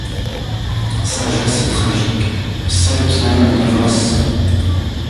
Sagesse tragique, celle qui naît de l’ivresse.